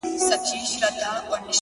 د غلا په جرم به پاچاصاب محترم نیسې _